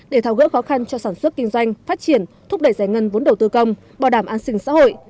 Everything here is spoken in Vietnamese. để tháo gỡ khó khăn cho sản xuất kinh doanh phát triển thúc đẩy giải ngân vốn đầu tư công bảo đảm an sinh xã hội